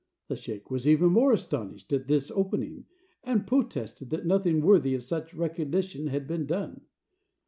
The sheik was even more astonished at this opening, and protested that nothing worthy of such recognition had been done.